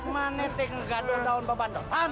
manetek ngegaduhin daun pabandotan